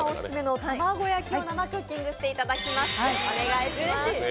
オススメの玉子焼きを生クッキングしていただきます。